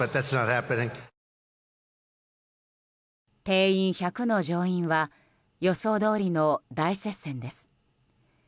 定員１００の上院は予想どおりの大接戦です。